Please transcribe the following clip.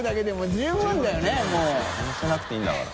十分乗せなくていいんだから。